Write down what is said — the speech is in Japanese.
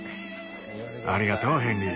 ありがとうヘンリー。